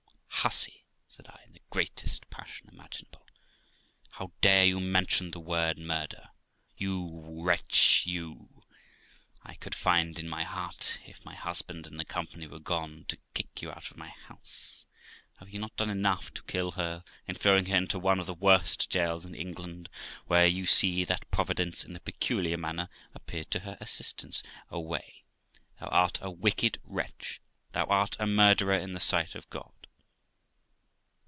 'Hussy', said I, in the greatest passion imaginable, 'how dare you mention the word murder? You wretch you, I could find in my heart, if my husband and the company were gone, to kick you out of my house. Have you not done enough to kill her, in throwing her into one of the worst jails in England, where, you see, that Providence in a peculiar manner appeared to her assistance. Away! thou art a wicked wretch; thou art a murderer in the sight of God.'